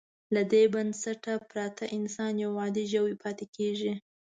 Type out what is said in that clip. له دې بنسټه پرته انسان یو عادي ژوی پاتې کېږي.